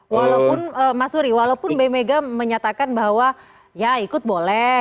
walaupun mas wuri walaupun bmega menyatakan bahwa ya ikut boleh